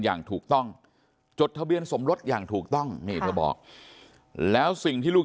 อย่างถูกต้องจดทะเบียนสมรสอย่างถูกต้องนี่เธอบอกแล้วสิ่งที่ลูก